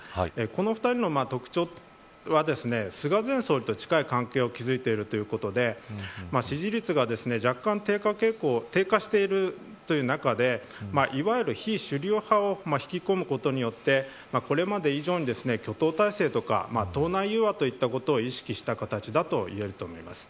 この２人の特徴はですね菅前総理と近い関係を築いているということで支持率が若干低下しているという中でいわゆる非主流派を引き込むことによってこれまで以上に挙党体制とか党内融和といったことを意識した形だといえると思います。